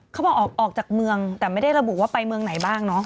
เขาบอกออกจากเมืองแต่ไม่ได้ระบุว่าไปเมืองไหนบ้างเนาะ